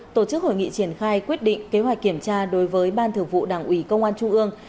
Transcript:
tổ chức hội nghị triển khai quyết định kế hoạch kiểm tra đối với ban thường vụ đảng ủy công an trung ương